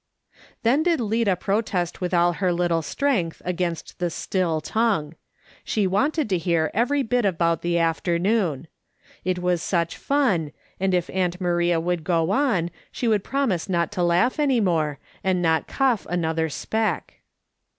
Then did Lida protest with all her little strength against the still tongue. She wanted to hear every bit about the afternoon. It was such fun, and if aunt Maria would go on, she would promise not to laugh any more, and not cough another speck.